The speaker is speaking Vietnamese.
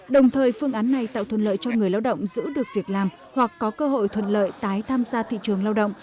đồng thời phương án này tạo thuận lợi cho người lao động giữ được việc làm hoặc có cơ hội thuận lợi tái tham gia thị trường lao động